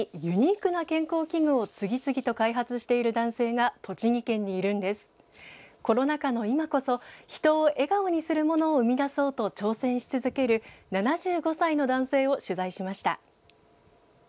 コロナ禍の今こそ人を笑顔にするものを生み出そうと挑戦し続ける７５歳の男性を取材しました。